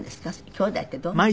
きょうだいってどうなの？